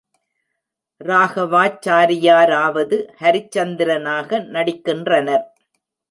ராகவாச்சாரியாராவது ஹரிச்சந்திரனாக நடிக்கின்றனர்.